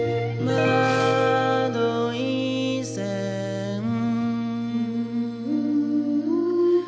「まどいせん」